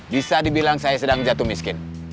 bisa dibilang saya sedang jatuh miskin